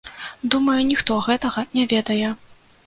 Думаю, ніхто гэтага не ведае.